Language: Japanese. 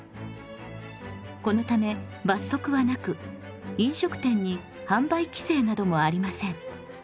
このため罰則はなく飲食店に販売規制などもありません。